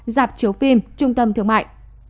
dạp chiếu phim trung tâm thương mại